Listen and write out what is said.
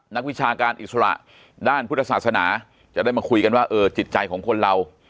นักวิชาการอิสระด้านพุทธศาสนาจะได้มาคุยกันว่าเออจิตใจของคนเรา